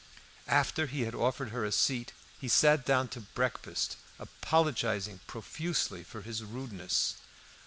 After he had offered her a seat he sat down to breakfast, apologising profusely for his rudeness.